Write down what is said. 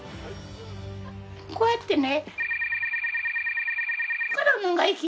こうやってね。